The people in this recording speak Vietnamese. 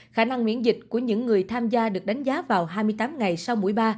khả năng miễn dịch của những người tham gia được đánh giá vào hai mươi tám ngày sau buổi ba